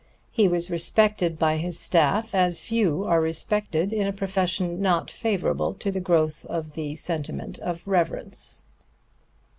He was respected by his staff as few are respected in a profession not favorable to the growth of the sentiment of reverence.